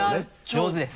上手です。